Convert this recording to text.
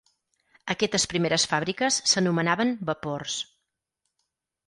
Aquestes primeres fàbriques s'anomenaven Vapors.